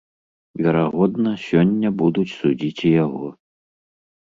Верагодна, сёння будуць судзіць і яго.